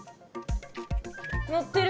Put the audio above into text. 乗ってる。